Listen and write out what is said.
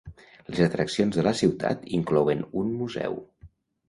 Les atraccions de la ciutat inclouen un museu.